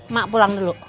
mak pulang dulu